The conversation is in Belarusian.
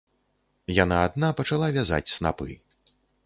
Яна адна пачала вязаць снапы.